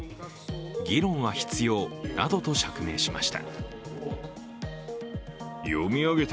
議論は必要などと釈明しました。